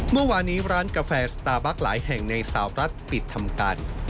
เมื่อวานนี้ร้านกาแฟสตาร์บัคหลายแห่งในสาวรัฐปิดทำการ